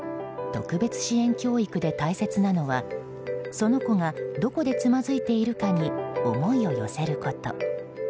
特別支援教育で大切なのはその子がどこでつまずいているかに思いを寄せること。